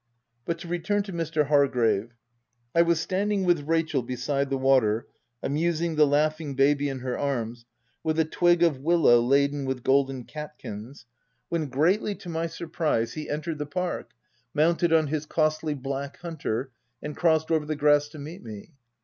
— But to return to Mr. Hargrave :— I was standing with Rachel beside the water, amusing the laughing baby in her arms, with a twig of willow laden with golden catkins, when 166 THE TENANT greatly to my surprise, he entered the park, mounted on his costly black hunter, and crossed over the grass to meet me.